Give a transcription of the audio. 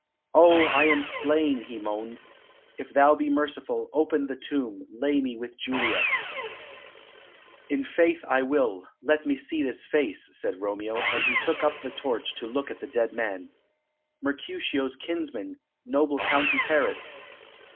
"Oh, I am slain!" he moaned. "If thou be merciful, open the tomb, lay me with Juliet." [Illustration: "Oh, I am slain!"] "In faith, I will. Let me see this face," said Romeo, and he took up the torch to look at the dead man. "Mercutio's kinsman, noble County Paris!